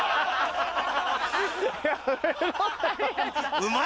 うまい！